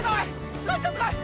すごいちょっと来い！